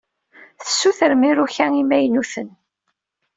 Tessutrem iruka imaynuten.